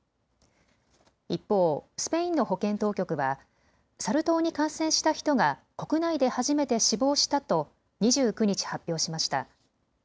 一方、スペインの保健当局はサル痘に感染した人が国内で初めて死亡したと２９日、発表しました。